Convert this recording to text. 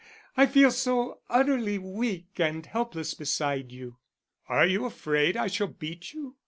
I feel so utterly weak and helpless beside you." "Are you afraid I shall beat you?"